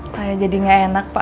saya jadi nggak enak pak